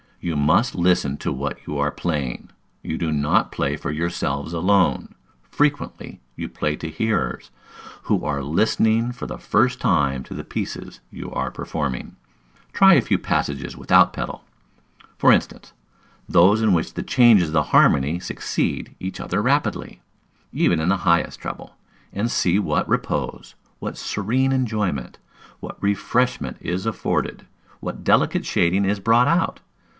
You must listen to what you are playing. You do not play for yourselves alone; frequently you play to hearers who are listening for the first time to the pieces you are performing. Try a few passages without pedal, for instance, those in which the changes of the harmony succeed each other rapidly, even in the highest treble, and see what repose, what serene enjoyment, what refreshment is afforded, what delicate shading is brought out.